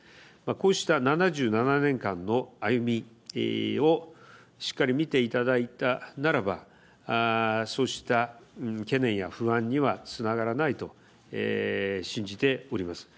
こうした７７年間の歩みをしっかり見ていただいたならばそうした懸念や不安にはつながらないと信じております。